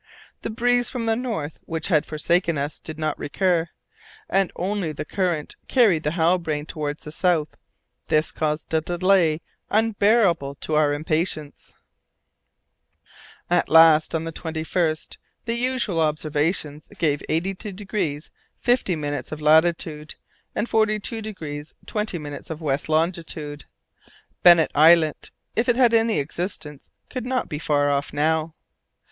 The breeze from the north, which had forsaken us, did not recur, and only the current carried the Halbrane towards the south. This caused a delay unbearable to our impatience. At last, on the 21st, the usual observation gave 82° 50' of latitude, and 42° 20' of west longitude. Bennet Islet, if it had any existence, could not be far off now.